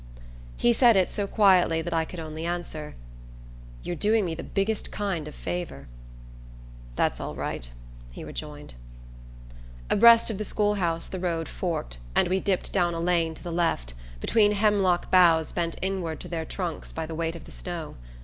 He said it so quietly that I could only answer: "You're doing me the biggest kind of a favour." "That's all right," he rejoined. Abreast of the schoolhouse the road forked, and we dipped down a lane to the left, between hemlock boughs bent inward to their trunks by the weight of the snow.